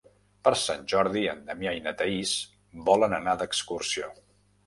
Per Sant Jordi en Damià i na Thaís volen anar d'excursió.